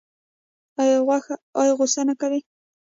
ایا غوسه نه کوي؟